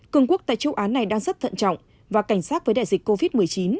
cường quốc tại châu á này đang rất thận trọng và cảnh sát với đại dịch covid một mươi chín